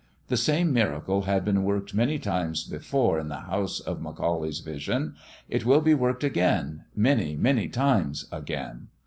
The same miracle had been worked many times before in the house of McAuley's vision. It will be worked again many, many times again.